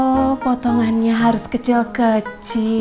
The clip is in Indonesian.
oh potongannya harus kecil kecil